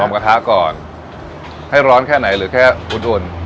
วอร์มกระทะก่อนให้ร้อนแค่ไหนหรือแค่อุดอุ่น